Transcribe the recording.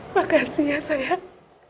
makasih ya sayang